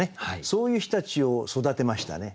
そういう人たちを育てましたね。